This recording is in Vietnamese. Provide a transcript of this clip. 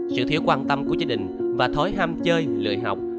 sự thiếu quan tâm của chính định và thói ham chơi lười học